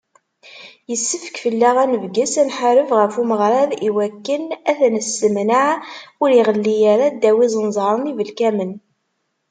Yessefk fell-aɣ ad nebges, ad nḥareb ɣef umeɣrad iwakken ad t-nessemneɛ ur iɣelli ara ddaw n yizenẓaren ibelkamen.